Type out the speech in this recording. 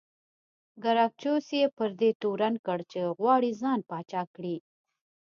ګراکچوس یې پر دې تورن کړ چې غواړي ځان پاچا کړي